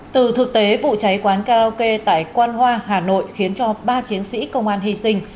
từ thực tế vụ cháy quán karaoke tại quan hoa hà nội khiến cho ba chiến sĩ công an hy sinh